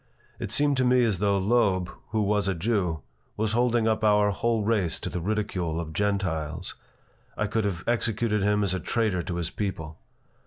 It seemed to me as though Loeb, who was a Jew, was holding up our whole race to the ridicule of Gentiles. I could have executed him as a traitor to his people.